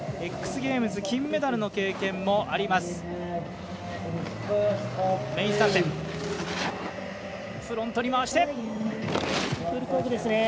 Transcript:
Ｘゲームズ金メダルの経験もあります。